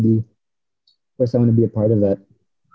tentu saja aku ingin menjadi bagian dari itu